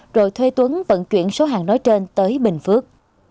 rồi thuê tuấn vận chuyển số hàng nói trên tới bình phước